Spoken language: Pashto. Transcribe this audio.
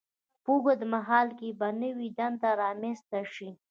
په اوږد مهال کې به نوې دندې رامینځته شي.